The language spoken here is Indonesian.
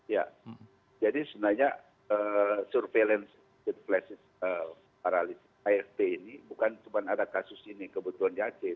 ya jadi sebenarnya surveillance death paralis afp ini bukan cuma ada kasus ini kebetulan di aceh